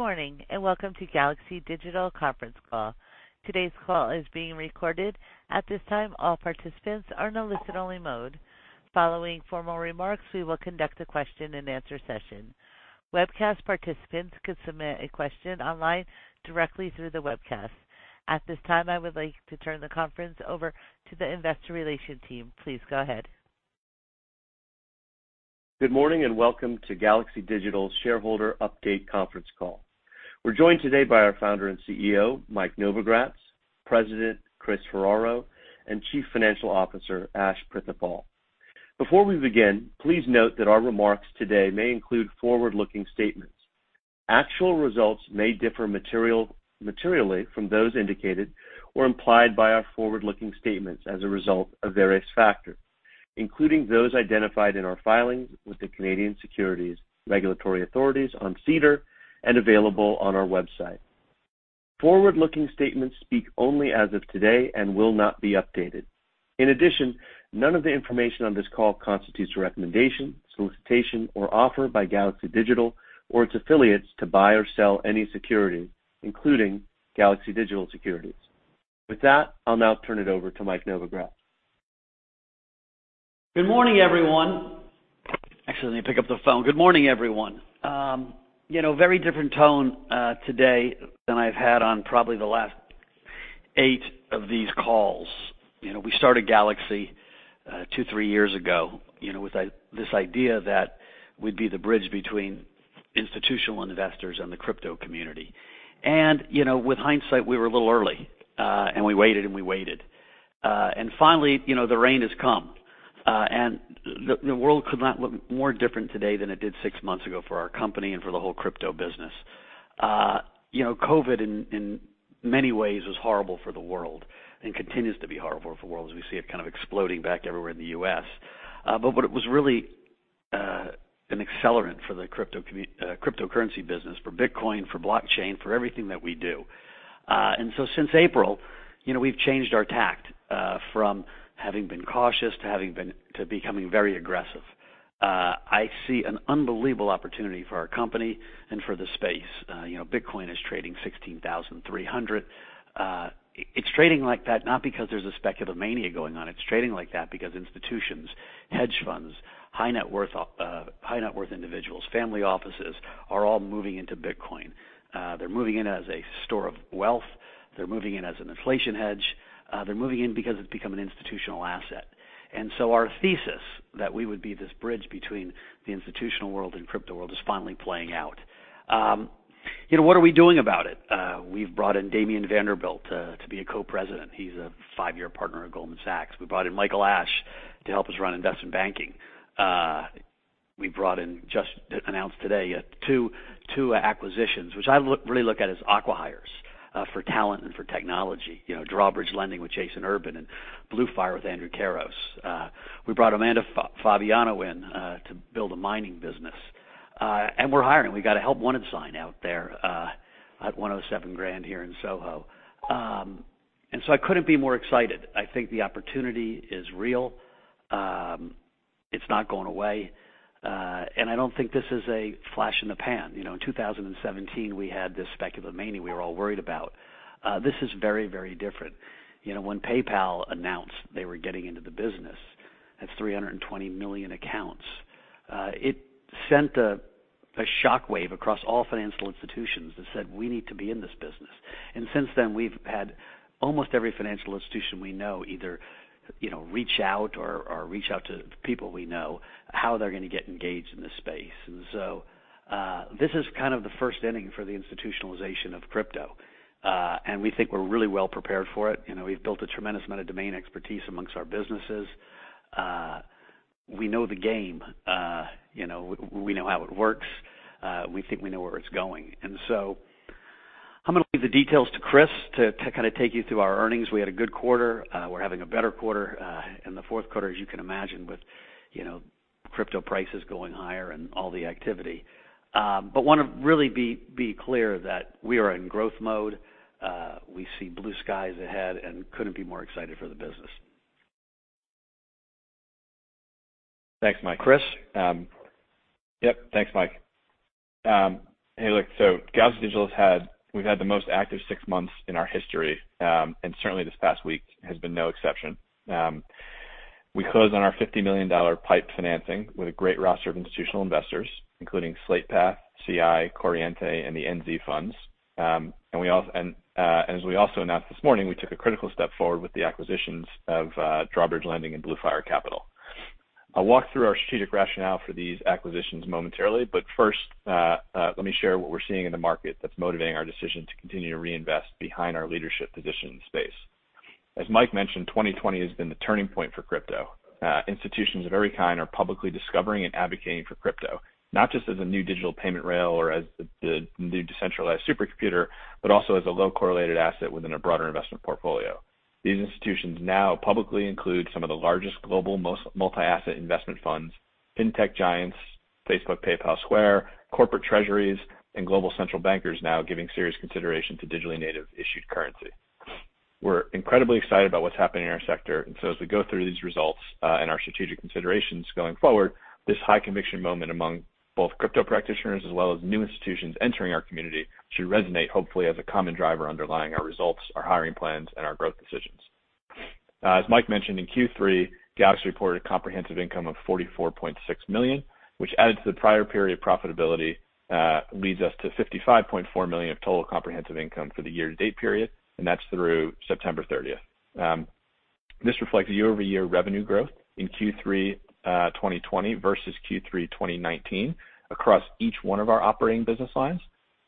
Good morning and welcome to Galaxy Digital conference call. Today's call is being recorded. At this time, all participants are in a listen-only mode. Following formal remarks, we will conduct a question-and-answer session. Webcast participants can submit a question online directly through the webcast. At this time, I would like to turn the conference over to the investor relations team. Please go ahead. Good morning and welcome to Galaxy Digital's Shareholder Update Conference Call. We're joined today by our Founder and CEO, Mike Novogratz, President, Chris Ferraro, and Chief Financial Officer, Ash Prithipaul. Before we begin, please note that our remarks today may include forward-looking statements. Actual results may differ materially from those indicated or implied by our forward-looking statements as a result of various factors, including those identified in our filings with the Canadian Securities Regulatory Authorities on SEDAR and available on our website. Forward-looking statements speak only as of today and will not be updated. In addition, none of the information on this call constitutes a recommendation, solicitation, or offer by Galaxy Digital or its affiliates to buy or sell any securities, including Galaxy Digital Securities. With that, I'll now turn it over to Mike Novogratz. Good morning, everyone. Actually, let me pick up the phone. Good morning, everyone. Very different tone today than I've had on probably the last eight of these calls. We started Galaxy two, three years ago with this idea that we'd be the bridge between institutional investors and the crypto community. And with hindsight, we were a little early, and we waited and we waited. And finally, the rain has come. And the world could not look more different today than it did six months ago for our company and for the whole crypto business. COVID, in many ways, was horrible for the world and continues to be horrible for the world as we see it kind of exploding back everywhere in the U.S. But it was really an accelerant for the cryptocurrency business, for Bitcoin, for blockchain, for everything that we do. And so since April, we've changed our tack from having been cautious to becoming very aggressive. I see an unbelievable opportunity for our company and for the space. Bitcoin is trading $16,300. It's trading like that not because there's a speculative mania going on. It's trading like that because institutions, hedge funds, high-net-worth individuals, family offices are all moving into Bitcoin. They're moving in as a store of wealth. They're moving in as an inflation hedge. They're moving in because it's become an institutional asset. And so our thesis that we would be this bridge between the institutional world and crypto world is finally playing out. What are we doing about it? We've brought in Damien Vanderwilt to be a co-president. He's a five-year partner of Goldman Sachs. We brought in Michael Ashe to help us run investment banking. We announced today two acquisitions, which I really look at as acqui-hires for talent and for technology, Drawbridge Lending with Jason Urban and Bluefire with Andrew Karos. We brought Amanda Fabiano in to build a mining business, and we're hiring. We've got a help wanted sign out there at 107 Grand here in Soho, and so I couldn't be more excited. I think the opportunity is real. It's not going away, and I don't think this is a flash in the pan. In 2017, we had this speculative mania we were all worried about. This is very, very different. When PayPal announced they were getting into the business, that's 320 million accounts, it sent a shockwave across all financial institutions that said, "We need to be in this business." Since then, we've had almost every financial institution we know either reach out or to people we know how they're going to get engaged in this space. So this is kind of the first inning for the institutionalization of crypto. We think we're really well prepared for it. We've built a tremendous amount of domain expertise amongst our businesses. We know the game. We know how it works. We think we know where it's going. I'm going to leave the details to Chris to kind of take you through our earnings. We had a good quarter. We're having a better quarter in the fourth quarter, as you can imagine, with crypto prices going higher and all the activity. But I want to really be clear that we are in growth mode. We see blue skies ahead and couldn't be more excited for the business. Thanks, Mike. Chris? Yep. Thanks, Mike. Hey, look, so Galaxy Digital has had, we've had the most active six months in our history, and certainly this past week has been no exception. We closed on our $50 million pipe financing with a great roster of institutional investors, including Slate Path, CI, Corriente, and the NZ Funds. And as we also announced this morning, we took a critical step forward with the acquisitions of Drawbridge Lending and Bluefire Capital. I'll walk through our strategic rationale for these acquisitions momentarily, but first, let me share what we're seeing in the market that's motivating our decision to continue to reinvest behind our leadership position in the space. As Mike mentioned, 2020 has been the turning point for crypto. Institutions of every kind are publicly discovering and advocating for crypto, not just as a new digital payment rail or as the new decentralized supercomputer, but also as a low-correlated asset within a broader investment portfolio. These institutions now publicly include some of the largest global multi-asset investment funds, fintech giants, Facebook, PayPal, Square, corporate treasuries, and global central bankers now giving serious consideration to digitally native-issued currency. We're incredibly excited about what's happening in our sector. And so as we go through these results and our strategic considerations going forward, this high conviction moment among both crypto practitioners as well as new institutions entering our community should resonate, hopefully, as a common driver underlying our results, our hiring plans, and our growth decisions. As Mike mentioned, in Q3, Galaxy reported a comprehensive income of $44.6 million, which added to the prior period of profitability, leads us to $55.4 million of total comprehensive income for the year-to-date period, and that's through September 30th. This reflects year-over-year revenue growth in Q3 2020 versus Q3 2019 across each one of our operating business lines,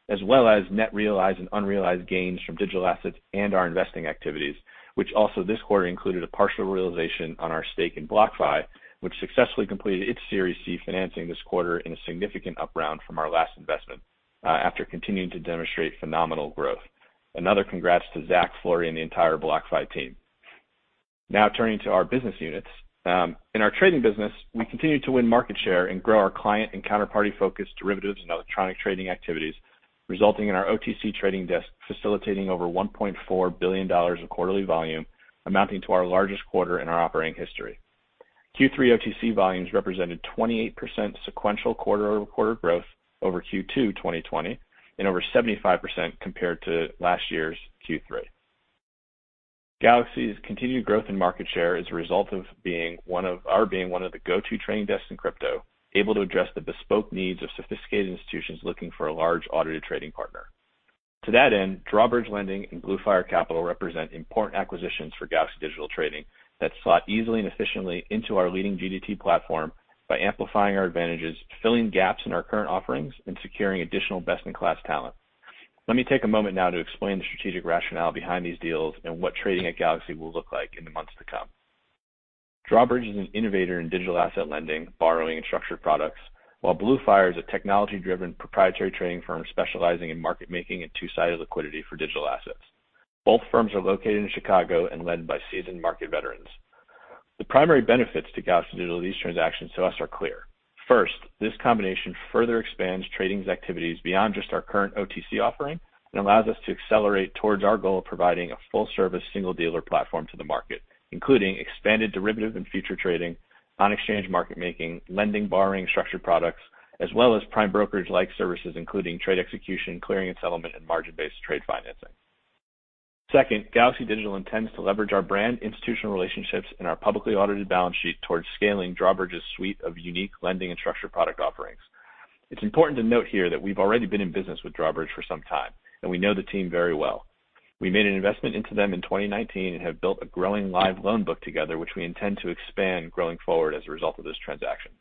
as well as net realized and unrealized gains from digital assets and our investing activities, which also this quarter included a partial realization on our stake in BlockFi, which successfully completed its Series C financing this quarter in a significant upround from our last investment after continuing to demonstrate phenomenal growth. Another congrats to Zac, Florian, and the entire BlockFi team. Now turning to our business units. In our trading business, we continue to win market share and grow our client and counterparty-focused derivatives and electronic trading activities, resulting in our OTC trading desk facilitating over $1.4 billion of quarterly volume, amounting to our largest quarter in our operating history. Q3 OTC volumes represented 28% sequential quarter-over-quarter growth over Q2 2020 and over 75% compared to last year's Q3. Galaxy's continued growth in market share is a result of our being one of the go-to trading desks in crypto, able to address the bespoke needs of sophisticated institutions looking for a large audited trading partner. To that end, Drawbridge Lending and Bluefire Capital represent important acquisitions for Galaxy Digital Trading that slot easily and efficiently into our leading GDT platform by amplifying our advantages, filling gaps in our current offerings, and securing additional best-in-class talent. Let me take a moment now to explain the strategic rationale behind these deals and what trading at Galaxy will look like in the months to come. Drawbridge is an innovator in digital asset lending, borrowing, and structured products, while Bluefire is a technology-driven proprietary trading firm specializing in market making and two-sided liquidity for digital assets. Both firms are located in Chicago and led by seasoned market veterans. The primary benefits to Galaxy Digital these transactions to us are clear. First, this combination further expands trading's activities beyond just our current OTC offering and allows us to accelerate towards our goal of providing a full-service single dealer platform to the market, including expanded derivative and future trading, on-exchange market making, lending, borrowing, and structured products, as well as prime brokerage-like services, including trade execution, clearing and settlement, and margin-based trade financing. Second, Galaxy Digital intends to leverage our brand, institutional relationships, and our publicly audited balance sheet towards scaling Drawbridge's suite of unique lending and structured product offerings. It's important to note here that we've already been in business with Drawbridge for some time, and we know the team very well. We made an investment into them in 2019 and have built a growing live loan book together, which we intend to expand going forward as a result of this transaction.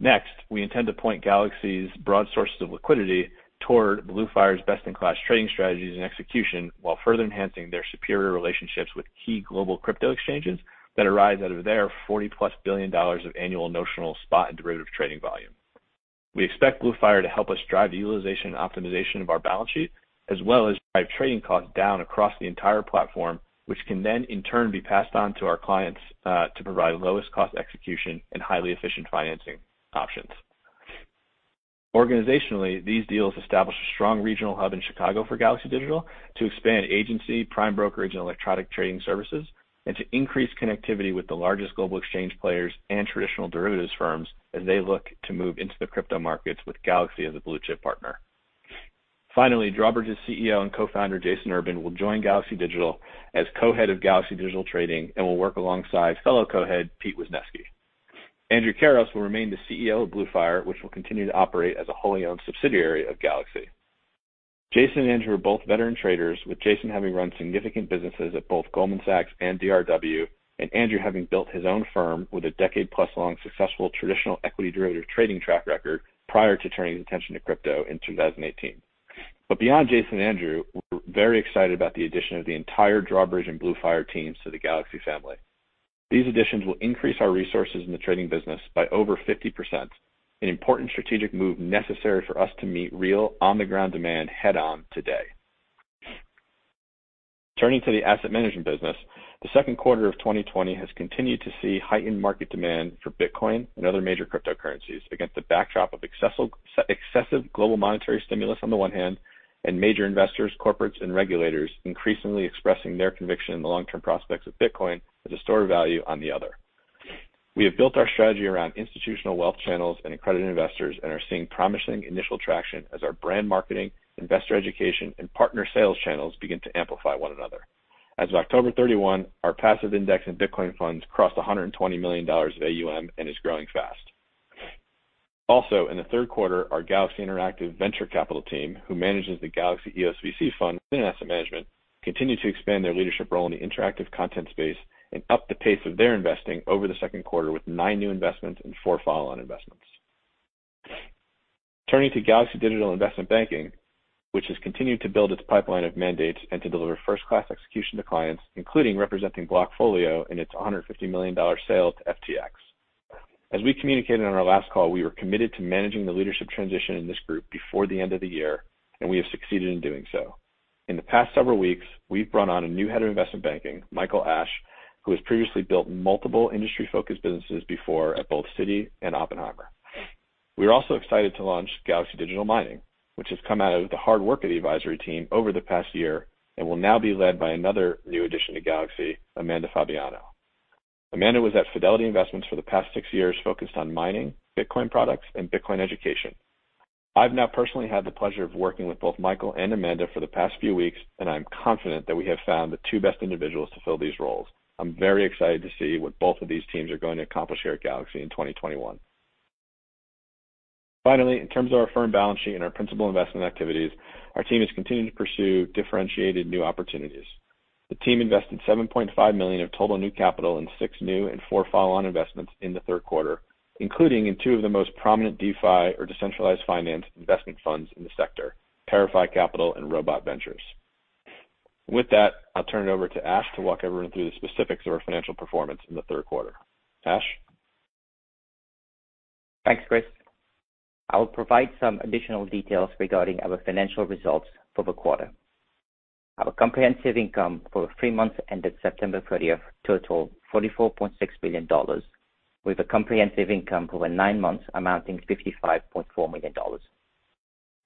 Next, we intend to point Galaxy's broad sources of liquidity toward Bluefire's best-in-class trading strategies and execution while further enhancing their superior relationships with key global crypto exchanges that arise out of their $40-plus billion of annual notional spot and derivative trading volume. We expect Bluefire to help us drive the utilization and optimization of our balance sheet, as well as drive trading costs down across the entire platform, which can then, in turn, be passed on to our clients to provide lowest-cost execution and highly efficient financing options. Organizationally, these deals establish a strong regional hub in Chicago for Galaxy Digital to expand agency, prime brokerage, and electronic trading services, and to increase connectivity with the largest global exchange players and traditional derivatives firms as they look to move into the crypto markets with Galaxy as a blue-chip partner. Finally, Drawbridge's CEO and co-founder, Jason Urban, will join Galaxy Digital as co-head of Galaxy Digital Trading and will work alongside fellow co-head, Peter Wisniewski. Andrew Karos will remain the CEO of Bluefire, which will continue to operate as a wholly-owned subsidiary of Galaxy. Jason and Andrew are both veteran traders, with Jason having run significant businesses at both Goldman Sachs and DRW, and Andrew having built his own firm with a decade-plus long successful traditional equity derivative trading track record prior to turning his attention to crypto in 2018. But beyond Jason and Andrew, we're very excited about the addition of the entire Drawbridge and Bluefire teams to the Galaxy family. These additions will increase our resources in the trading business by over 50%, an important strategic move necessary for us to meet real on-the-ground demand head-on today. Turning to the asset management business, the second quarter of 2020 has continued to see heightened market demand for Bitcoin and other major cryptocurrencies against the backdrop of excessive global monetary stimulus on the one hand, and major investors, corporates, and regulators increasingly expressing their conviction in the long-term prospects of Bitcoin as a store of value on the other. We have built our strategy around institutional wealth channels and accredited investors and are seeing promising initial traction as our brand marketing, investor education, and partner sales channels begin to amplify one another. As of October 31, our passive index and Bitcoin funds crossed $120 million of AUM and is growing fast. Also, in the third quarter, our Galaxy Interactive Venture Capital team, who manages the Galaxy ESVC Fund and asset management, continued to expand their leadership role in the interactive content space and upped the pace of their investing over the second quarter with nine new investments and four follow-on investments. Turning to Galaxy Digital Investment Banking, which has continued to build its pipeline of mandates and to deliver first-class execution to clients, including representing Blockfolio in its $150 million sale to FTX. As we communicated on our last call, we were committed to managing the leadership transition in this group before the end of the year, and we have succeeded in doing so. In the past several weeks, we've brought on a new head of investment banking, Michael Ashe, who has previously built multiple industry-focused businesses before at both Citi and Oppenheimer. We are also excited to launch Galaxy Digital Mining, which has come out of the hard work of the advisory team over the past year and will now be led by another new addition to Galaxy, Amanda Fabiano. Amanda was at Fidelity Investments for the past six years focused on mining, Bitcoin products, and Bitcoin education. I've now personally had the pleasure of working with both Michael and Amanda for the past few weeks, and I'm confident that we have found the two best individuals to fill these roles. I'm very excited to see what both of these teams are going to accomplish here at Galaxy in 2021. Finally, in terms of our firm balance sheet and our principal investment activities, our team has continued to pursue differentiated new opportunities. The team invested $7.5 million of total new capital in six new and four follow-on investments in the third quarter, including in two of the most prominent DeFi or decentralized finance investment funds in the sector, ParaFi Capital and Robot Ventures. With that, I'll turn it over to Ash to walk everyone through the specifics of our financial performance in the third quarter. Ash? Thanks, Chris. I'll provide some additional details regarding our financial results for the quarter. Our comprehensive income for three months ended September 30th total $44.6 million, with a comprehensive income over nine months amounting to $55.4 million.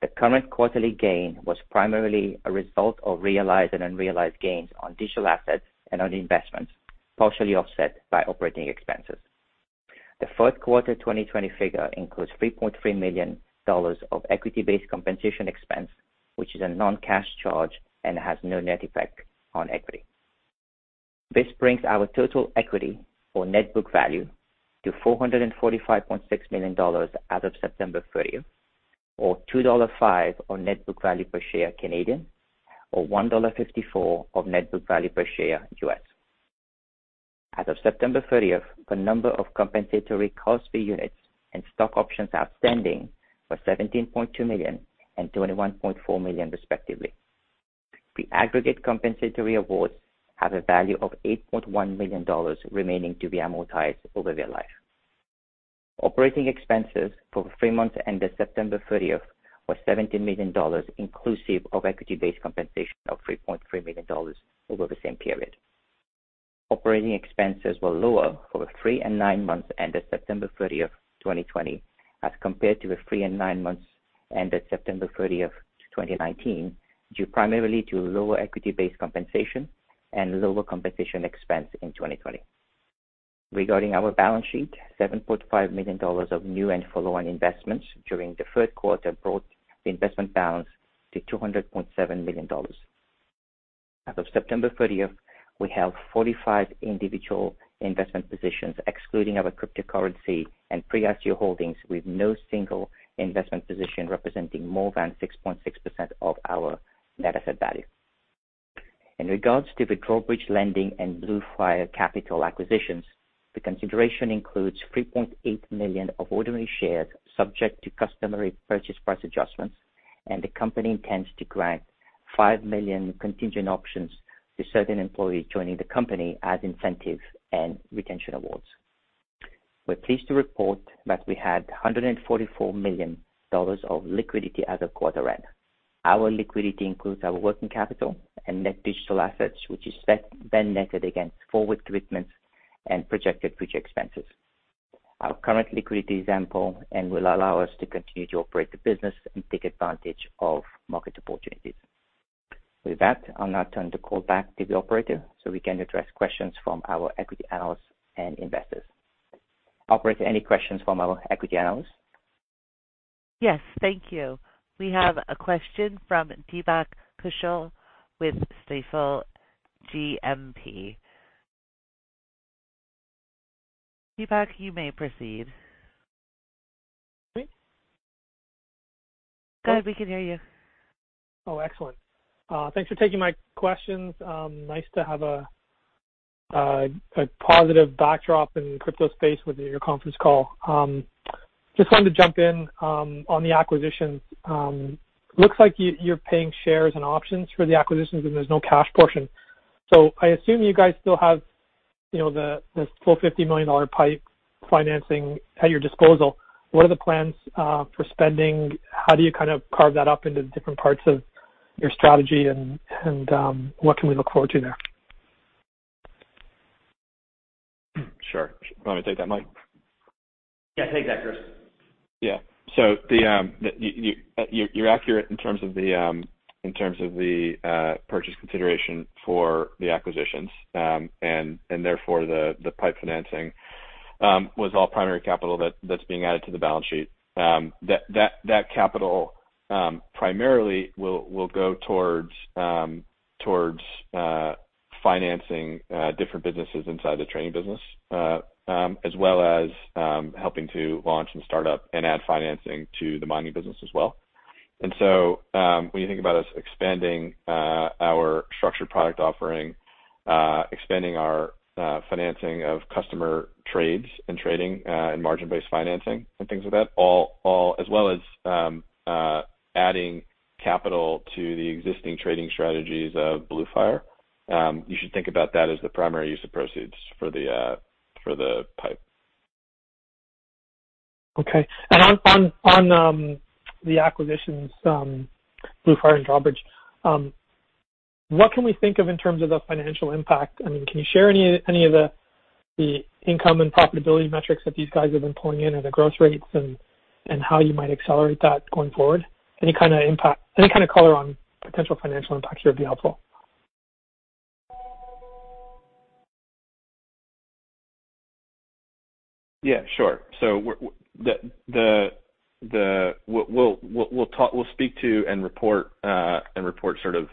The current quarterly gain was primarily a result of realized and unrealized gains on digital assets and on investments, partially offset by operating expenses. The fourth quarter 2020 figure includes $3.3 million of equity-based compensation expense, which is a non-cash charge and has no net effect on equity. This brings our total equity or net book value to $445.6 million as of September 30th, or 2.05 dollar of net book value per share Canadian, or $1.54 of net book value per share US. As of September 30th, the number of compensatory calls per units and stock options outstanding was $17.2 million and $21.4 million, respectively. The aggregate compensatory awards have a value of $8.1 million remaining to be amortized over their life. Operating expenses for three months ended September 30th were $17 million, inclusive of equity-based compensation of $3.3 million over the same period. Operating expenses were lower for three and nine months ended September 30th, 2020, as compared to the three and nine months ended September 30th, 2019, due primarily to lower equity-based compensation and lower compensation expense in 2020. Regarding our balance sheet, $7.5 million of new and follow-on investments during the third quarter brought the investment balance to $200.7 million. As of September 30th, we have 45 individual investment positions, excluding our cryptocurrency and pre-ICO holdings, with no single investment position representing more than 6.6% of our net asset value. In regards to the Drawbridge Lending and Bluefire Capital acquisitions, the consideration includes $3.8 million of ordinary shares subject to customary purchase price adjustments, and the company intends to grant $5 million in contingent options to certain employees joining the company as incentive and retention awards. We're pleased to report that we had $144 million of liquidity as of quarter end. Our liquidity includes our working capital and net digital assets, which is then netted against forward commitments and projected future expenses. Our current liquidity is ample and will allow us to continue to operate the business and take advantage of market opportunities. With that, I'll now turn the call back to the operator so we can address questions from our equity analysts and investors. Operator, any questions from our equity analysts? Yes, thank you. We have a question from Deepak Kaushal with Stifel GMP. Deepak, you may proceed. Sweet. Good. We can hear you. Oh, excellent. Thanks for taking my questions. Nice to have a positive backdrop in the crypto space with your conference call. Just wanted to jump in on the acquisitions. Looks like you're paying shares and options for the acquisitions, and there's no cash portion. So I assume you guys still have the full $50 million pipe financing at your disposal. What are the plans for spending? How do you kind of carve that up into different parts of your strategy, and what can we look forward to there? Sure. Let me take that mic. Yeah, take that, Chris. Yeah, so you're accurate in terms of the purchase consideration for the acquisitions and therefore the pipe financing was all primary capital that's being added to the balance sheet. That capital primarily will go towards financing different businesses inside the trading business, as well as helping to launch and start up and add financing to the mining business as well, and so when you think about us expanding our structured product offering, expanding our financing of customer trades and trading and margin-based financing and things like that, as well as adding capital to the existing trading strategies of Bluefire, you should think about that as the primary use of proceeds for the pipe. Okay. And on the acquisitions, Bluefire and Drawbridge, what can we think of in terms of the financial impact? I mean, can you share any of the income and profitability metrics that these guys have been pulling in at the growth rates and how you might accelerate that going forward? Any kind of color on potential financial impact here would be helpful. Yeah, sure. So we'll speak to and report sort of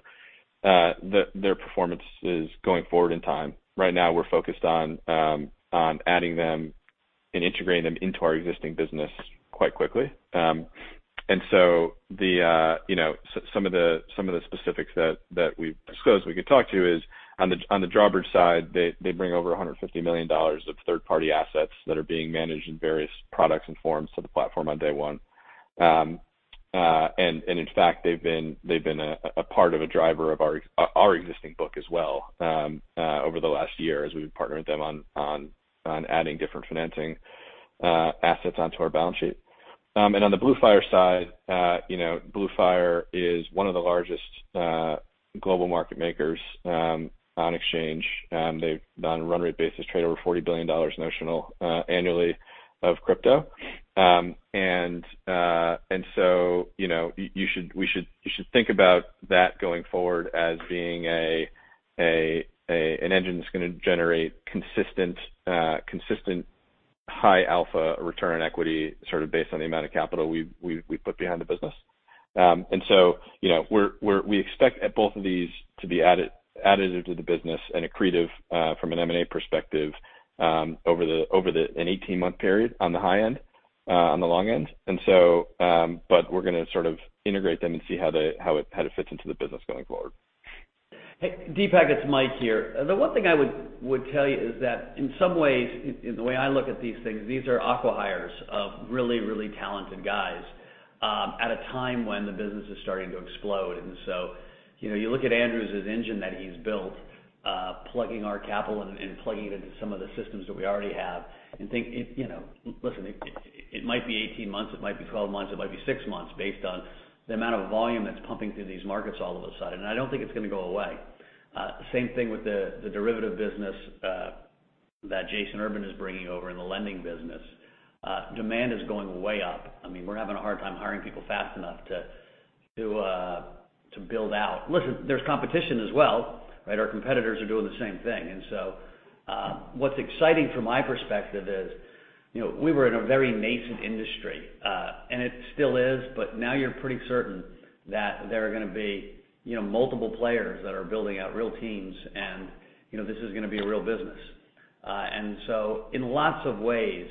their performances going forward in time. Right now, we're focused on adding them and integrating them into our existing business quite quickly. And so some of the specifics that we've disclosed we could talk to is, on the Drawbridge side, they bring over $150 million of third-party assets that are being managed in various products and forms to the platform on day one. And in fact, they've been a part of a driver of our existing book as well over the last year as we've partnered with them on adding different financing assets onto our balance sheet. And on the Bluefire side, Bluefire is one of the largest global market makers on exchange. They've done a run-rate basis trade over $40 billion notional annually of crypto. And so we should think about that going forward as being an engine that's going to generate consistent high alpha return on equity sort of based on the amount of capital we put behind the business. And so we expect both of these to be additive to the business and accretive from an M&A perspective over an 18-month period on the high end, on the long end. But we're going to sort of integrate them and see how it fits into the business going forward. Deepak, it's Mike here. The one thing I would tell you is that in some ways, in the way I look at these things, these are acqui-hires of really, really talented guys at a time when the business is starting to explode. And so you look at Andrew's engine that he's built, plugging our capital and plugging it into some of the systems that we already have, and think, "Listen, it might be 18 months, it might be 12 months, it might be six months based on the amount of volume that's pumping through these markets all of a sudden." And I don't think it's going to go away. Same thing with the derivative business that Jason Urban is bringing over in the lending business. Demand is going way up. I mean, we're having a hard time hiring people fast enough to build out. Listen, there's competition as well, right? Our competitors are doing the same thing, and so what's exciting from my perspective is we were in a very nascent industry, and it still is, but now you're pretty certain that there are going to be multiple players that are building out real teams, and this is going to be a real business, and so in lots of ways,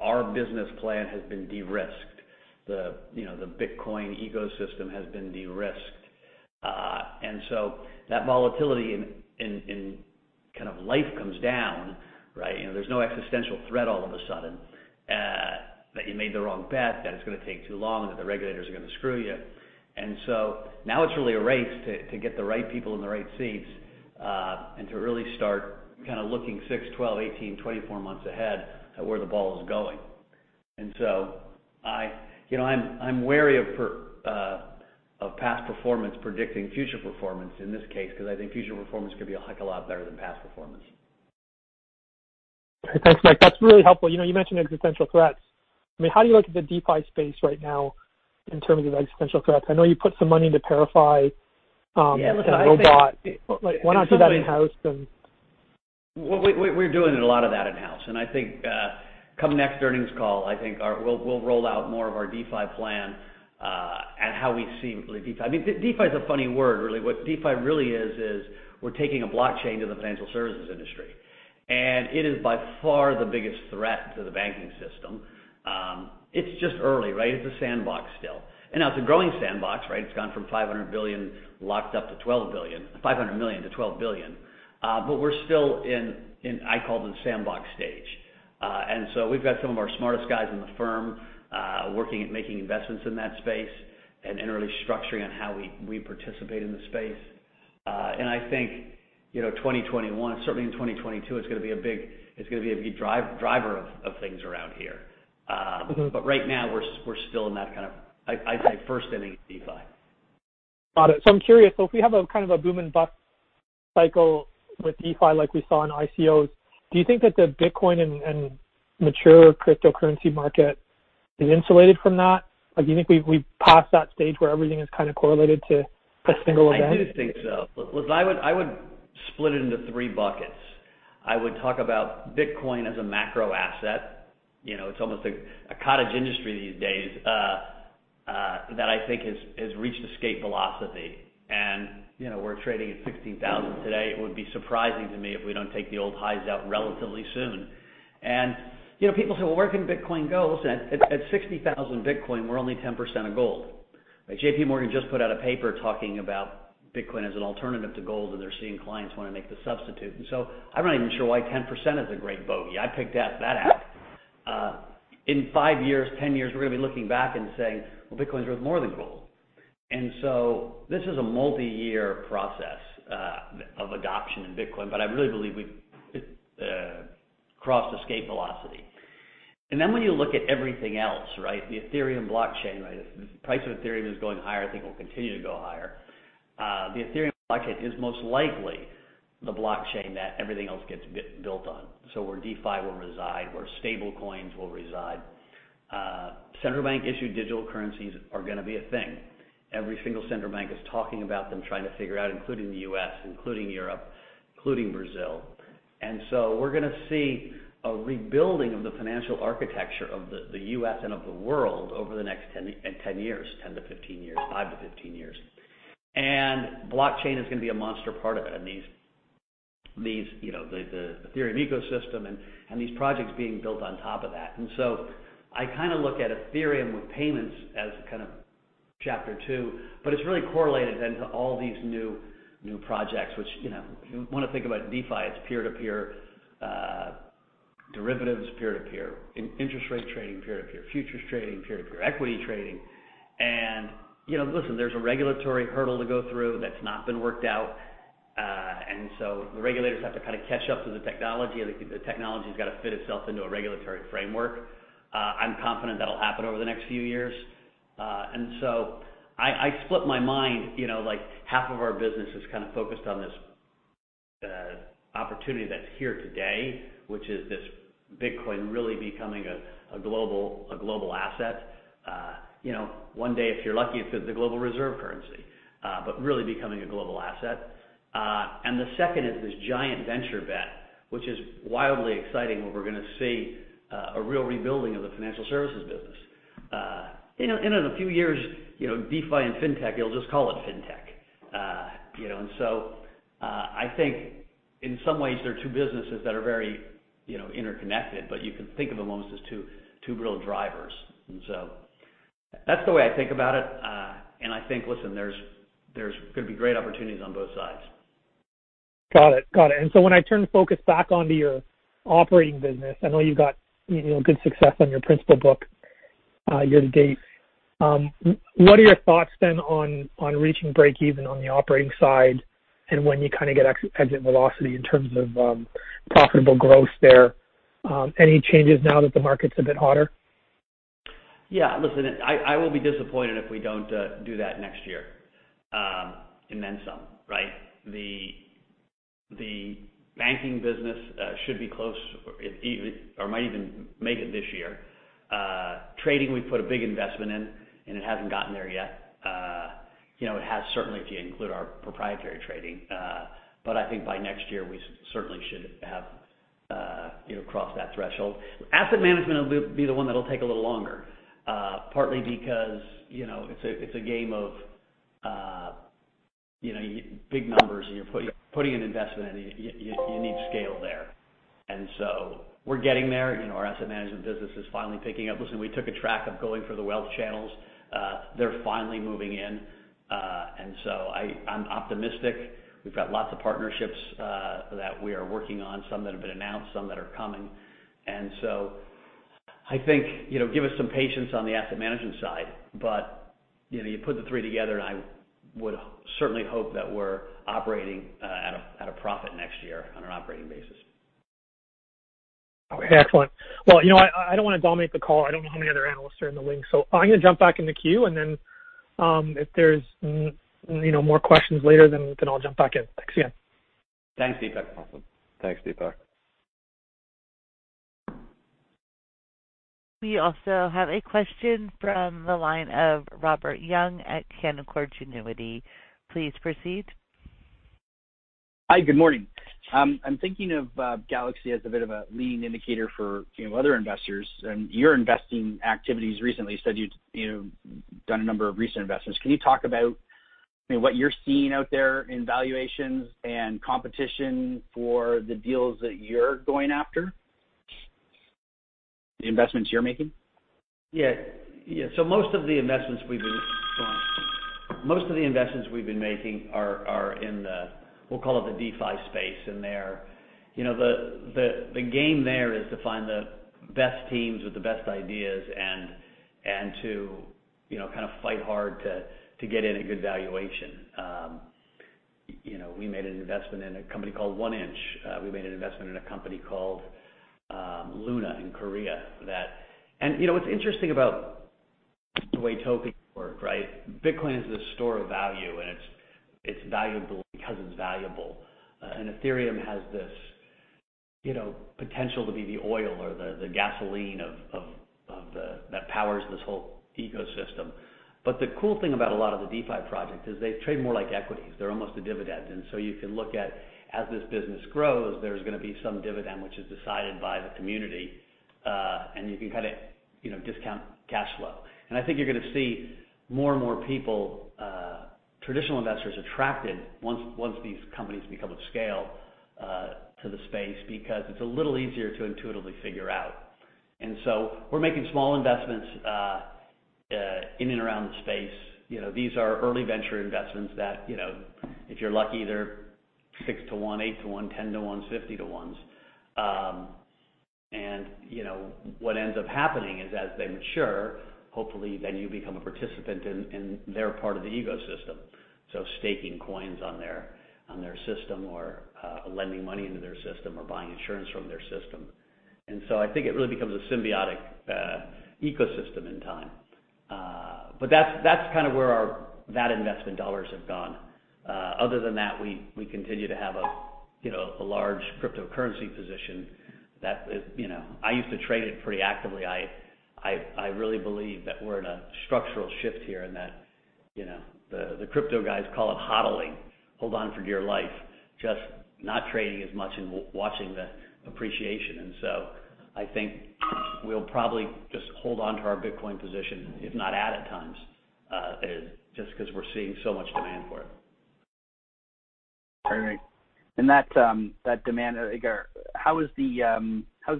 our business plan has been de-risked. The Bitcoin ecosystem has been de-risked, and so that volatility in kind of life comes down, right? There's no existential threat all of a sudden that you made the wrong bet, that it's going to take too long, and that the regulators are going to screw you, and so now it's really a race to get the right people in the right seats and to really start kind of looking 6, 12, 18, 24 months ahead at where the ball is going. And so I'm wary of past performance predicting future performance in this case because I think future performance could be a heck of a lot better than past performance. Thanks, Mike. That's really helpful. You mentioned existential threats. I mean, how do you look at the DeFi space right now in terms of existential threats? I know you put some money into ParaFi and Robot. Why not do that in-house? We're doing a lot of that in-house. And I think come next earnings call, I think we'll roll out more of our DeFi plan and how we see DeFi. I mean, DeFi is a funny word, really. What DeFi really is, is we're taking a blockchain to the financial services industry. And it is by far the biggest threat to the banking system. It's just early, right? It's a sandbox still. And now it's a growing sandbox, right? It's gone from 500 billion locked up to 12 billion, 500 million to 12 billion. But we're still in, I call it, the sandbox stage. And so we've got some of our smartest guys in the firm working at making investments in that space and really structuring on how we participate in the space. I think 2021, certainly in 2022, is going to be a big, it's going to be a big driver of things around here. Right now, we're still in that kind of, I'd say, first inning of DeFi. Got it. So I'm curious. So if we have a kind of a boom and bust cycle with DeFi like we saw in ICOs, do you think that the Bitcoin and mature cryptocurrency market is insulated from that? Do you think we've passed that stage where everything is kind of correlated to a single event? I do think so. I would split it into three buckets. I would talk about Bitcoin as a macro asset. It's almost a cottage industry these days that I think has reached escape velocity, and we're trading at $16,000 today. It would be surprising to me if we don't take the old highs out relatively soon, and people say, "Well, where can Bitcoin go?" Listen, at $60,000 Bitcoin, we're only 10% of gold. J.P. Morgan just put out a paper talking about Bitcoin as an alternative to gold, and they're seeing clients want to make the substitute, and so I'm not even sure why 10% is a great bogey. I picked that out. In five years, 10 years, we're going to be looking back and saying, "Well, Bitcoin's worth more than gold." And so this is a multi-year process of adoption in Bitcoin, but I really believe we've crossed escape velocity. And then when you look at everything else, right, the Ethereum blockchain, right, if the price of Ethereum is going higher, I think it will continue to go higher. The Ethereum blockchain is most likely the blockchain that everything else gets built on. So where DeFi will reside, where stablecoins will reside, central bank-issued digital currencies are going to be a thing. Every single central bank is talking about them, trying to figure out, including the U.S., including Europe, including Brazil. And so we're going to see a rebuilding of the financial architecture of the U.S. and of the world over the next 10 years, 10-15 years, five-15 years. And blockchain is going to be a monster part of it and the Ethereum ecosystem and these projects being built on top of that. And so I kind of look at Ethereum with payments as kind of chapter two, but it's really correlated then to all these new projects, which you want to think about DeFi as peer-to-peer derivatives, peer-to-peer interest rate trading, peer-to-peer futures trading, peer-to-peer equity trading. And listen, there's a regulatory hurdle to go through that's not been worked out. And so the regulators have to kind of catch up to the technology, and the technology's got to fit itself into a regulatory framework. I'm confident that'll happen over the next few years. And so I split my mind. Half of our business is kind of focused on this opportunity that's here today, which is this Bitcoin really becoming a global asset. One day, if you're lucky, it's the global reserve currency, but really becoming a global asset. And the second is this giant venture bet, which is wildly exciting where we're going to see a real rebuilding of the financial services business. And in a few years, DeFi and fintech, you'll just call it fintech. And so I think in some ways, there are two businesses that are very interconnected, but you can think of them almost as two real drivers. And so that's the way I think about it. And I think, listen, there's going to be great opportunities on both sides. Got it. Got it. And so when I turn the focus back onto your operating business, I know you've got good success on your principal book year to date. What are your thoughts then on reaching break-even on the operating side and when you kind of get exit velocity in terms of profitable growth there? Any changes now that the market's a bit hotter? Yeah. Listen, I will be disappointed if we don't do that next year and then some, right? The banking business should be close or might even make it this year. Trading, we've put a big investment in, and it hasn't gotten there yet. It has certainly if you include our proprietary trading. But I think by next year, we certainly should have crossed that threshold. Asset management will be the one that'll take a little longer, partly because it's a game of big numbers, and you're putting an investment, and you need scale there. And so we're getting there. Our asset management business is finally picking up. Listen, we took a tack of going for the wealth channels. They're finally moving in. And so I'm optimistic. We've got lots of partnerships that we are working on, some that have been announced, some that are coming. And so I think give us some patience on the asset management side. But you put the three together, and I would certainly hope that we're operating at a profit next year on an operating basis. Okay. Excellent. Well, I don't want to dominate the call. I don't know how many other analysts are in the wings. So I'm going to jump back in the queue, and then if there's more questions later, then I'll jump back in. Thanks again. Thanks, Deepak. We also have a question from the line of Robert Young at Canaccord Genuity. Please proceed. Hi. Good morning. I'm thinking of Galaxy as a bit of a leading indicator for other investors. And your investing activities recently, you said you've done a number of recent investments. Can you talk about what you're seeing out there in valuations and competition for the deals that you're going after, the investments you're making? Most of the investments we've been making are in the, we'll call it the DeFi space. And the game there is to find the best teams with the best ideas and to kind of fight hard to get in at good valuation. We made an investment in a company called 1Inch. We made an investment in a company called Luna in Korea. And what's interesting about the way tokens work, right? Bitcoin is the store of value, and it's valuable because it's valuable. And Ethereum has this potential to be the oil or the gasoline that powers this whole ecosystem. But the cool thing about a lot of the DeFi project is they trade more like equities. They're almost a dividend. And so you can look at, as this business grows, there's going to be some dividend which is decided by the community, and you can kind of discounted cash flow. And I think you're going to see more and more people, traditional investors, attracted once these companies become of scale to the space because it's a little easier to intuitively figure out. And so we're making small investments in and around the space. These are early venture investments that, if you're lucky, they're six to one, eight to one, 10 to 1, 50 to 1s. And what ends up happening is, as they mature, hopefully, then you become a participant in their part of the ecosystem. So staking coins on their system or lending money into their system or buying insurance from their system. And so I think it really becomes a symbiotic ecosystem in time. But that's kind of where that investment dollars have gone. Other than that, we continue to have a large cryptocurrency position that I used to trade it pretty actively. I really believe that we're in a structural shift here in that the crypto guys call it hoddling, hold on for dear life, just not trading as much and watching the appreciation. And so I think we'll probably just hold on to our Bitcoin position, if not add at times, just because we're seeing so much demand for it. All right. And that demand, how is the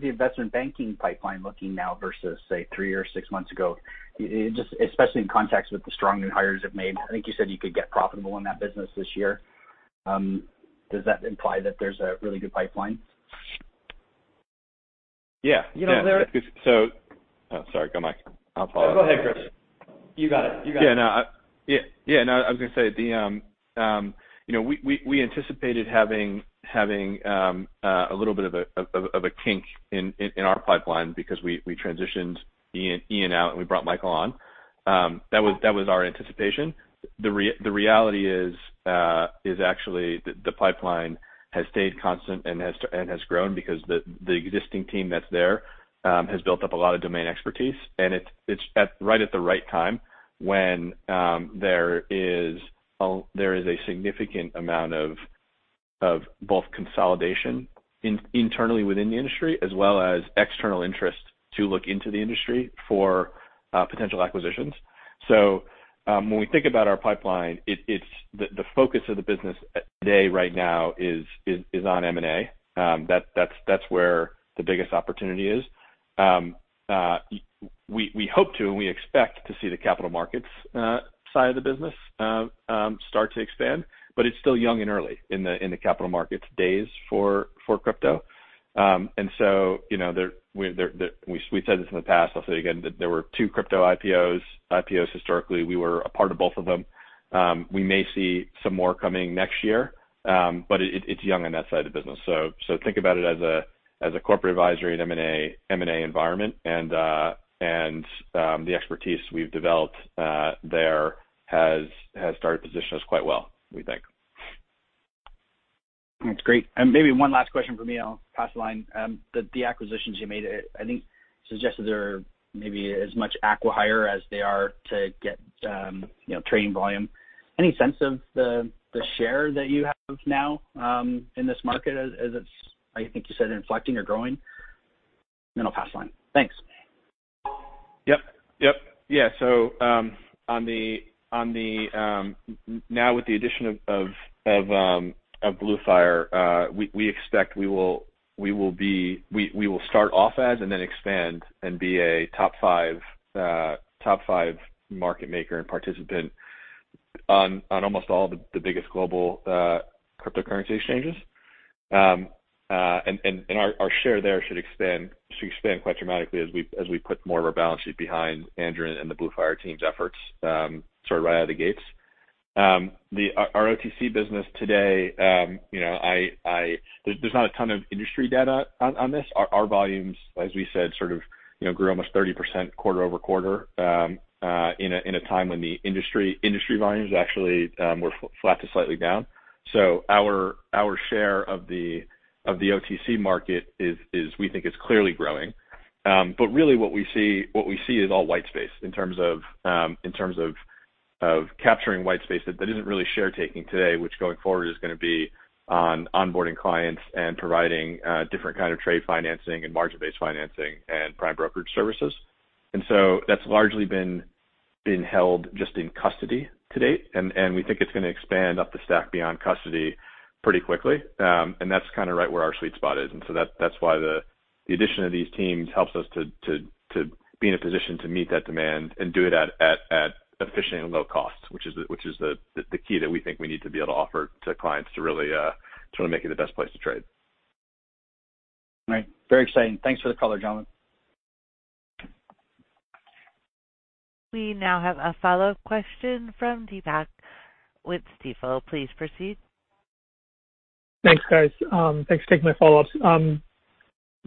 investment banking pipeline looking now versus, say, three or six months ago, especially in context with the strong new hires they've made? I think you said you could get profitable in that business this year. Does that imply that there's a really good pipeline? Yeah. So— Go ahead. Oh, sorry. Go ahead. I'll follow up. Go ahead, Chris. You got it. You got it. Yeah. Yeah. No. I was going to say the—we anticipated having a little bit of a kink in our pipeline because we transitioned Ian out, and we brought Michael on. That was our anticipation. The reality is actually the pipeline has stayed constant and has grown because the existing team that's there has built up a lot of domain expertise, and it's right at the right time when there is a significant amount of both consolidation internally within the industry as well as external interest to look into the industry for potential acquisitions. So when we think about our pipeline, the focus of the business today, right now, is on M&A. That's where the biggest opportunity is. We hope to, and we expect to see the capital markets side of the business start to expand, but it's still young and early in the capital markets days for crypto. We've said this in the past. I'll say it again. There were two crypto IPOs historically. We were a part of both of them. We may see some more coming next year, but it's young on that side of the business. Think about it as a corporate advisory and M&A environment. The expertise we've developed there has started to position us quite well, we think. That's great. And maybe one last question for me. I'll pass the line. The acquisitions you made, I think, suggested there are maybe as much acqui-hire as they are to get trading volume. Any sense of the share that you have now in this market as it's, I think you said, inflecting or growing? Then I'll pass the line. Thanks. Yeah. So now with the addition of Bluefire, we expect we will start off as and then expand and be a top five market maker and participant on almost all the biggest global cryptocurrency exchanges. Our share there should expand quite dramatically as we put more of our balance sheet behind our trading and the Bluefire team's efforts sort of right out of the gates. Our OTC business today, there's not a ton of industry data on this. Our volumes, as we said, sort of grew almost 30% quarter over quarter in a time when the industry volumes actually were flat to slightly down. Our share of the OTC market, we think, is clearly growing. But really, what we see is all white space in terms of capturing white space that isn't really share-taking today, which going forward is going to be on onboarding clients and providing different kinds of trade financing and margin-based financing and prime brokerage services. And so that's largely been held just in custody to date. And we think it's going to expand up the stack beyond custody pretty quickly. And that's kind of right where our sweet spot is. And so that's why the addition of these teams helps us to be in a position to meet that demand and do it at efficient and low cost, which is the key that we think we need to be able to offer to clients to really make it the best place to trade. All right. Very exciting. Thanks for the call, gentlemen. We now have a follow-up question from Deepak with Stifel. Please proceed. Thanks, guys. Thanks for taking my follow-ups.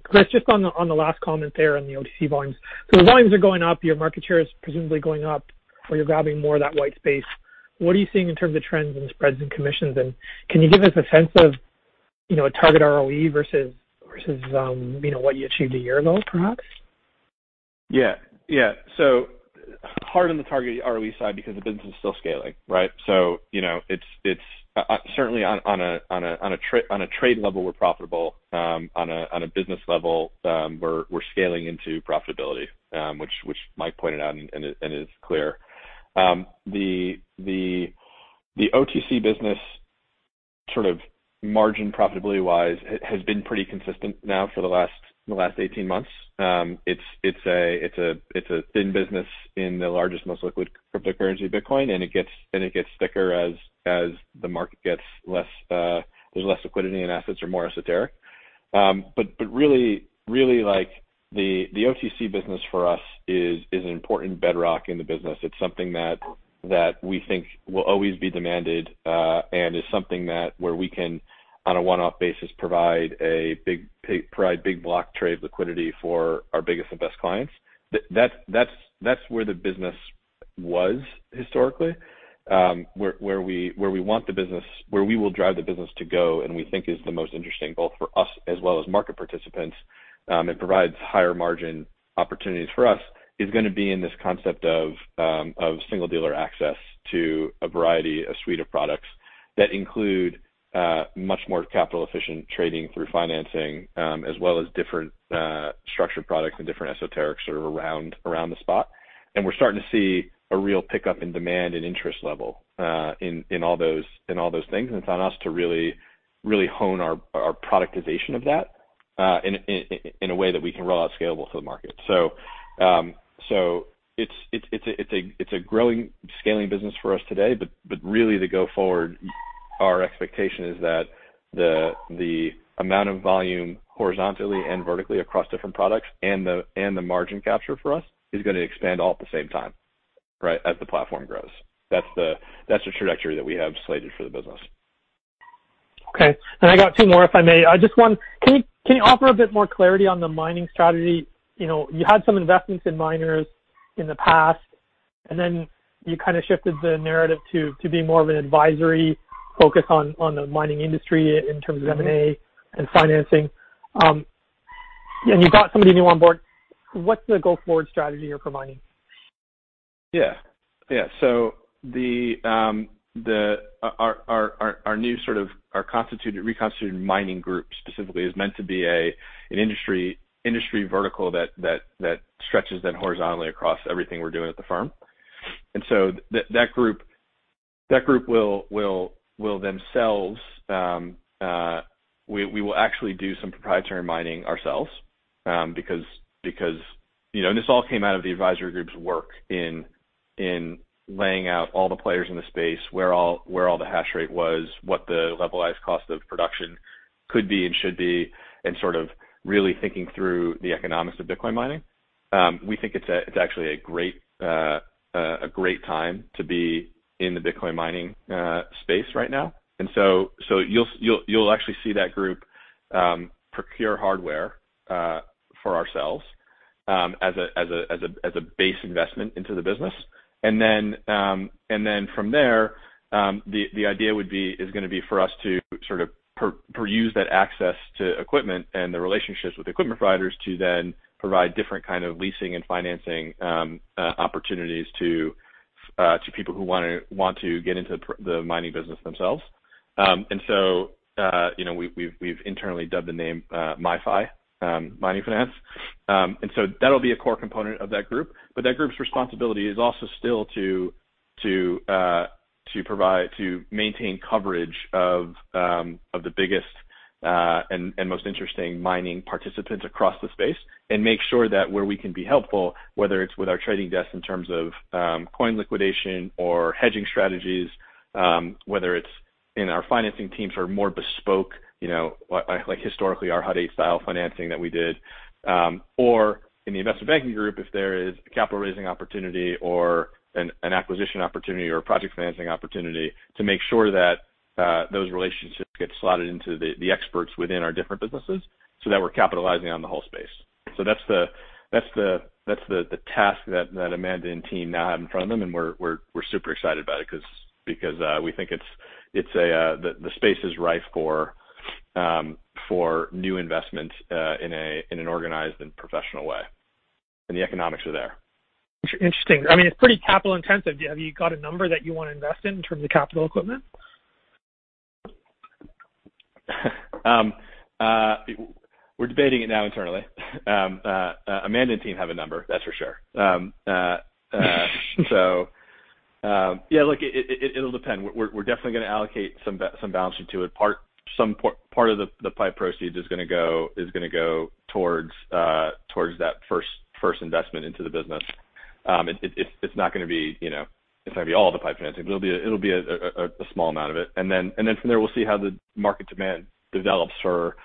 Chris, just on the last comment there on the OTC volumes. So the volumes are going up. Your market share is presumably going up, or you're grabbing more of that white space. What are you seeing in terms of trends and spreads and commissions? And can you give us a sense of target ROE versus what you achieved a year ago, perhaps? Yeah. Yeah. So hard on the target ROE side because the business is still scaling, right? So it's certainly on a trade level, we're profitable. On a business level, we're scaling into profitability, which Mike pointed out and is clear. The OTC business, sort of margin profitability-wise, has been pretty consistent now for the last 18 months. It's a thin business in the largest, most liquid cryptocurrency, Bitcoin, and it gets thicker as the market gets less, there's less liquidity in assets or more esoteric. But really, the OTC business for us is an important bedrock in the business. It's something that we think will always be demanded and is something where we can, on a one-off basis, provide big block trade liquidity for our biggest and best clients. That's where the business was historically, where we want the business, where we will drive the business to go, and we think is the most interesting both for us as well as market participants. It provides higher margin opportunities for us. It's going to be in this concept of single dealer access to a variety, a suite of products that include much more capital-efficient trading through financing, as well as different structured products and different esoterics sort of around the spot. And we're starting to see a real pickup in demand and interest level in all those things. And it's on us to really hone our productization of that in a way that we can roll out scalable to the market. So it's a growing, scaling business for us today. But really, to go forward, our expectation is that the amount of volume horizontally and vertically across different products and the margin capture for us is going to expand all at the same time, right, as the platform grows. That's the trajectory that we have slated for the business. Okay. And I got two more, if I may. Just one. Can you offer a bit more clarity on the mining strategy? You had some investments in miners in the past, and then you kind of shifted the narrative to be more of an advisory focus on the mining industry in terms of M&A and financing. And you brought somebody new on board. What's the go-forward strategy here for mining? Yeah. Yeah. So our new sort of reconstituted mining group specifically is meant to be an industry vertical that stretches then horizontally across everything we're doing at the firm. And so that group will themselves. We will actually do some proprietary mining ourselves because and this all came out of the advisory group's work in laying out all the players in the space, where all the hash rate was, what the levelized cost of production could be and should be, and sort of really thinking through the economics of Bitcoin mining. We think it's actually a great time to be in the Bitcoin mining space right now. And so you'll actually see that group procure hardware for ourselves as a base investment into the business. And then from there, the idea is going to be for us to sort of use that access to equipment and the relationships with equipment providers to then provide different kinds of leasing and financing opportunities to people who want to get into the mining business themselves. And so we've internally dubbed the name MyFi Mining Finance. And so that'll be a core component of that group. But that group's responsibility is also still to maintain coverage of the biggest and most interesting mining participants across the space and make sure that where we can be helpful, whether it's with our trading desk in terms of coin liquidation or hedging strategies, whether it's in our financing teams or more bespoke, like historically our Hut 8 style financing that we did, or in the investment banking group, if there is a capital raising opportunity or an acquisition opportunity or a project financing opportunity to make sure that those relationships get slotted into the experts within our different businesses so that we're capitalizing on the whole space. So that's the task that Amanda and team now have in front of them. And we're super excited about it because we think the space is ripe for new investments in an organized and professional way. And the economics are there. Interesting. I mean, it's pretty capital-intensive. Have you got a number that you want to invest in in terms of capital equipment? We're debating it now internally. Amanda and team have a number, that's for sure. So yeah, look, it'll depend. We're definitely going to allocate some balance sheet to it. Some part of the pipe proceeds is going to go towards that first investment into the business. It's not going to be. It's not going to be all the pipe financing. It'll be a small amount of it. And then from there, we'll see how the market demand develops for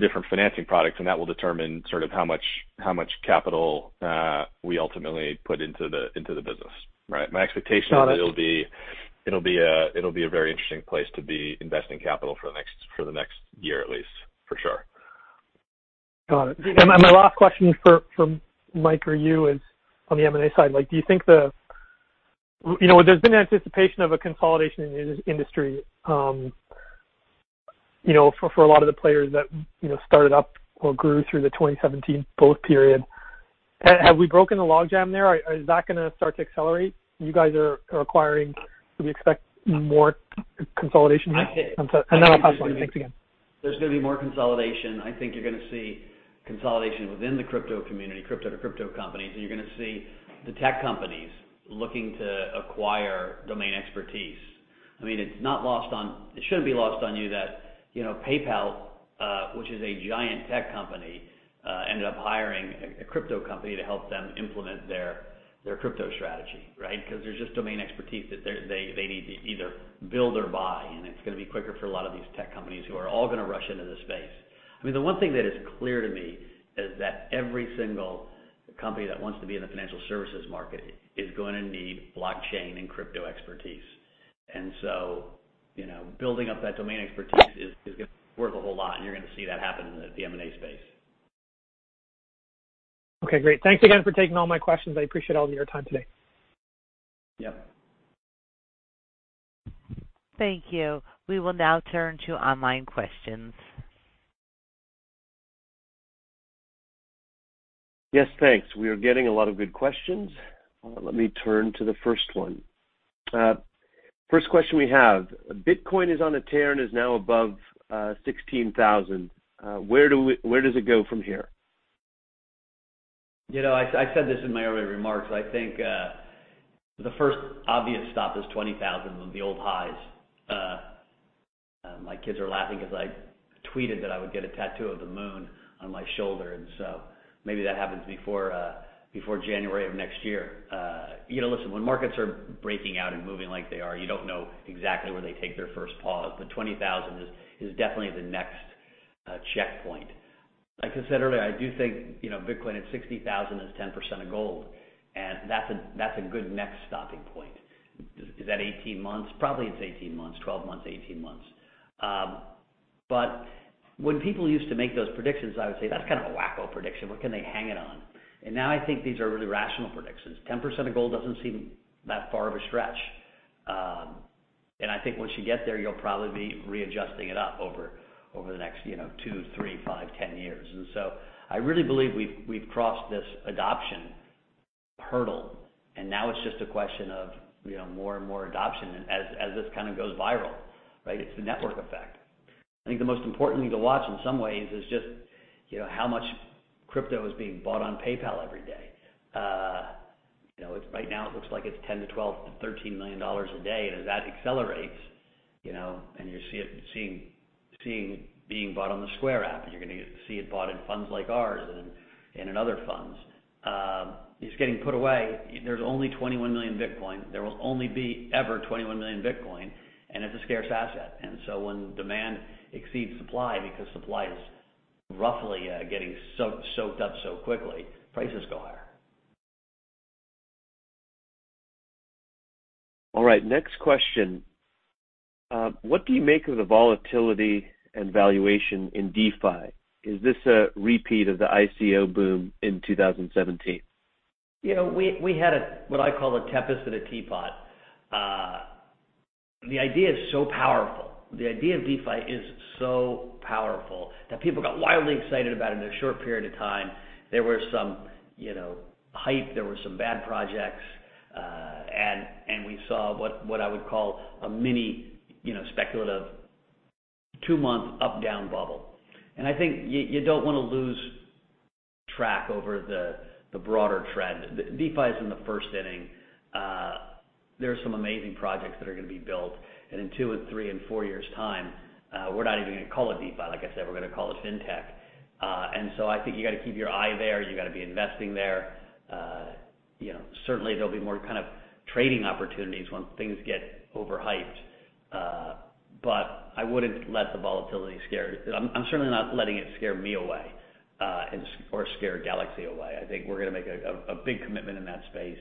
different financing products. And that will determine sort of how much capital we ultimately put into the business, right? My expectation is it'll be a very interesting place to be investing capital for the next year at least, for sure. Got it. And my last question for Mike or you is on the M&A side. Do you think there's been anticipation of a consolidation in this industry for a lot of the players that started up or grew through the 2017 growth period? Have we broken the log jam there? Is that going to start to accelerate? You guys are acquiring. Do we expect more consolidation here? And then I'll pass the line. Thanks again. There's going to be more consolidation. I think you're going to see consolidation within the crypto community, crypto to crypto companies, and you're going to see the tech companies looking to acquire domain expertise. I mean, it shouldn't be lost on you that PayPal, which is a giant tech company, ended up hiring a crypto company to help them implement their crypto strategy, right? Because there's just domain expertise that they need to either build or buy, and it's going to be quicker for a lot of these tech companies who are all going to rush into this space. I mean, the one thing that is clear to me is that every single company that wants to be in the financial services market is going to need blockchain and crypto expertise, and so building up that domain expertise is going to be worth a whole lot. And you're going to see that happen in the M&A space. Okay. Great. Thanks again for taking all my questions. I appreciate all of your time today. Yep. Thank you. We will now turn to online questions. Yes. Thanks. We are getting a lot of good questions. Let me turn to the first one. First question we have: Bitcoin is on a tear and is now above 16,000. Where does it go from here? I said this in my earlier remarks. I think the first obvious stop is 20,000, the old highs. My kids are laughing because I tweeted that I would get a tattoo of the moon on my shoulder. And so maybe that happens before January of next year. Listen, when markets are breaking out and moving like they are, you don't know exactly where they take their first pause. But 20,000 is definitely the next checkpoint. Like I said earlier, I do think Bitcoin at 60,000 is 10% of gold. And that's a good next stopping point. Is that 18 months? Probably it's 18 months. 12 months, 18 months. But when people used to make those predictions, I would say, "That's kind of a wacko prediction. What can they hang it on?" And now I think these are really rational predictions. 10% of gold doesn't seem that far of a stretch. I think once you get there, you'll probably be readjusting it up over the next two, three, five, 10 years. So I really believe we've crossed this adoption hurdle. Now it's just a question of more and more adoption as this kind of goes viral, right? It's the network effect. I think the most important thing to watch in some ways is just how much crypto is being bought on PayPal every day. Right now, it looks like it's $10-$13 million a day. As that accelerates and you're seeing it being bought on the Square app, you're going to see it bought in funds like ours and in other funds. It's getting put away. There's only 21 million Bitcoin. There will only be ever 21 million Bitcoin. It's a scarce asset. When demand exceeds supply because supply is roughly getting soaked up so quickly, prices go higher. All right. Next question. What do you make of the volatility and valuation in DeFi? Is this a repeat of the ICO boom in 2017? We had what I call a tempest in a teapot. The idea is so powerful. The idea of DeFi is so powerful that people got wildly excited about it in a short period of time. There was some hype. There were some bad projects, and we saw what I would call a mini speculative two-month up-down bubble. And I think you don't want to lose track over the broader trend. DeFi is in the first inning. There are some amazing projects that are going to be built, and in two and three and four years' time, we're not even going to call it DeFi. Like I said, we're going to call it fintech, and so I think you got to keep your eye there. You got to be investing there. Certainly, there'll be more kind of trading opportunities when things get overhyped. But I wouldn't let the volatility scare, I'm certainly not letting it scare me away or scare Galaxy away. I think we're going to make a big commitment in that space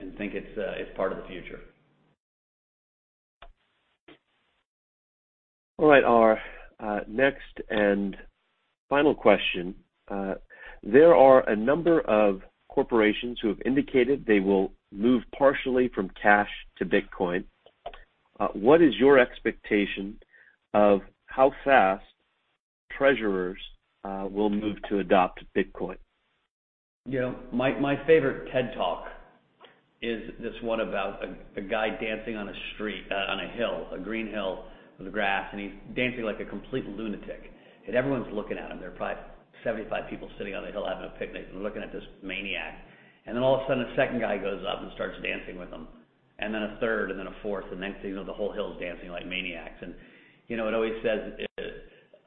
and think it's part of the future. All right. Our next and final question. There are a number of corporations who have indicated they will move partially from cash to Bitcoin. What is your expectation of how fast treasurers will move to adopt Bitcoin? My favorite TED Talk is this one about a guy dancing on a street on a hill, a green hill of grass, and he's dancing like a complete lunatic, and everyone's looking at him. There are probably 75 people sitting on the hill having a picnic and looking at this maniac, and then all of a sudden, a second guy goes up and starts dancing with him, and then a third and then a fourth, and then the whole hill is dancing like maniacs. And it always says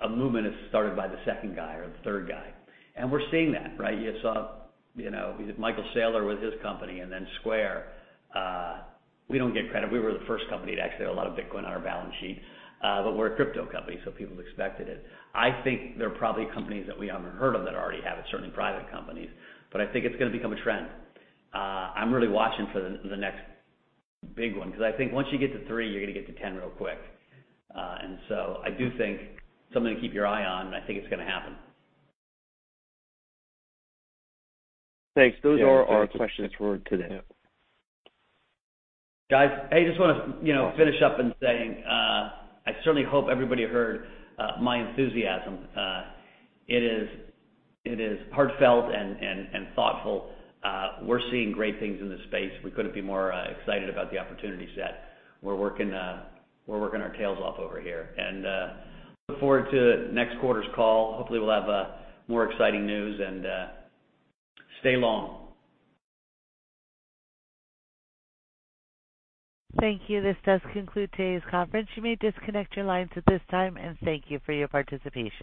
a movement is started by the second guy or the third guy, and we're seeing that, right? You saw Michael Saylor with his company and then Square. We don't get credit. We were the first company to actually have a lot of Bitcoin on our balance sheet. But we're a crypto company, so people expected it. I think there are probably companies that we haven't heard of that already have it, certainly private companies. But I think it's going to become a trend. I'm really watching for the next big one because I think once you get to three, you're going to get to 10 real quick. And so I do think something to keep your eye on. And I think it's going to happen. Thanks. Those are our questions for today. Guys, I just want to finish up in saying I certainly hope everybody heard my enthusiasm. It is heartfelt and thoughtful. We're seeing great things in this space. We couldn't be more excited about the opportunities that we're working our tails off over here. And look forward to next quarter's call. Hopefully, we'll have more exciting news. And stay long. Thank you. This does conclude today's conference. You may disconnect your lines at this time, and thank you for your participation.